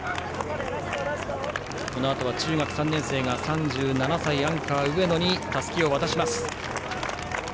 このあとは中学３年生が３７歳のアンカー、上野にたすきを渡します。